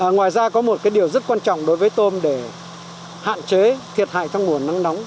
ngoài ra có một cái điều rất quan trọng đối với tôm để hạn chế thiệt hại thăng nguồn nắng nóng